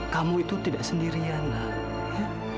kamu itu tidak sendirian naya